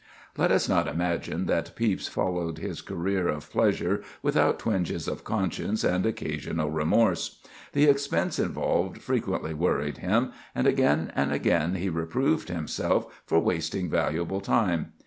Let us not imagine that Pepys followed his career of pleasure without twinges of conscience and occasional remorse. The expense involved frequently worried him, and again and again he reproved himself for wasting valuable time.